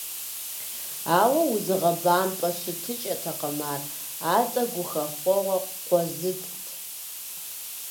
Ауэ узыгъэбампӏэ щытыкӏэтэкъым ар, атӏэ гухэхъуэгъуэ къозытт.